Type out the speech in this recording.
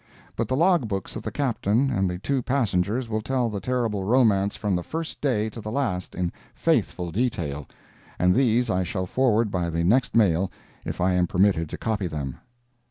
But the log books of the Captain and the two passengers will tell the terrible romance from the first day to the last in faithful detail, and these I shall forward by the next mail if I am permitted to copy them.